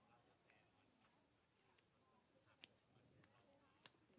สวัสดีครับ